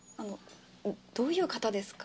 どういう方ですか？